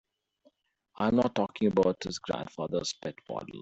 I'm not talking about his grandfather's pet poodle.